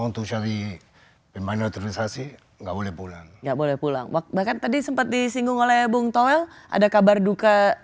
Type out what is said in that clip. tidak boleh pulang bahkan tadi sempat disinggung oleh bung toel ada kabar duka